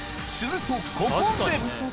するとここで！